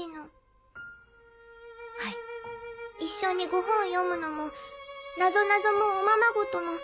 一緒にご本読むのもなぞなぞもおままごとも。